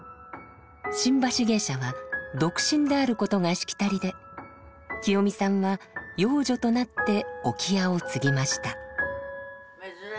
新橋芸者は独身であることがしきたりで清美さんは養女となって置屋を継ぎました。